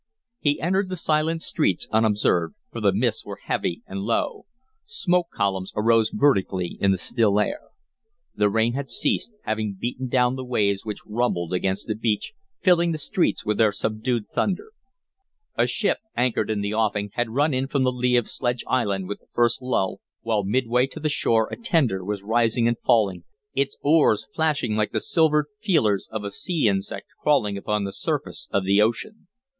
He entered the silent streets unobserved, for the mists were heavy and low. Smoke columns arose vertically in the still air. The rain had ceased, having beaten down the waves which rumbled against the beach, filling the streets with their subdued thunder. A ship, anchored in the offing, had run in from the lee of Sledge Island with the first lull, while midway to the shore a tender was rising and falling, its oars flashing like the silvered feelers of a sea insect crawling upon the surface of the ocean.